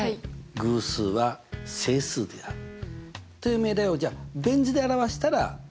「偶数は整数である」という命題をじゃあベン図で表したらこうなるんだな。